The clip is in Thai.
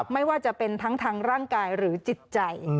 ไม่ว่าจะเป็นทั้งทางร่างกายหรือจิตใจ